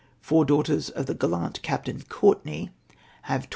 Four daughters of the gallant Captain Courtenay have 12